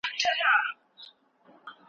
ډېرې کورنۍ یوازې د لوبو شیان راوړي.